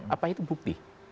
apa itu bukti